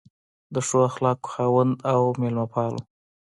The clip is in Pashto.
د ښو اخلاقو خاوند او مېلمه پال و.